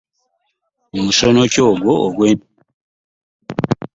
Musono ki ogwo ogw’enviiri?